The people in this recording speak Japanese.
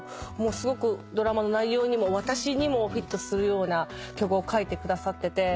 すごくドラマの内容にも私にもフィットするような曲を書いてくださってて。